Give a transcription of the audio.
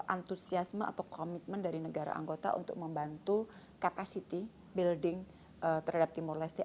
antusiasme atau komitmen dari negara anggota untuk membantu capacity building terhadap timor leste